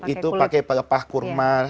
itu pakai pelepah kurma